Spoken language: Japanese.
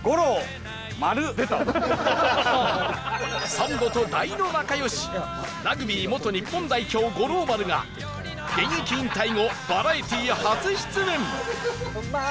サンドと大の仲良しラグビー元日本代表五郎丸が現役引退後バラエティー初出演